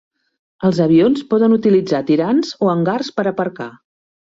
Els avions poden utilitzar tirants o hangars per aparcar.